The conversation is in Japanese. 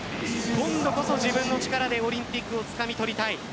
今度こそ自分の力でオリンピックをつかみ取りたい。